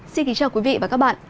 xin kính chào quý vị và các bạn